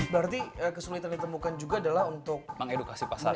berarti kesulitan ditemukan juga adalah untuk mengedukasi pasar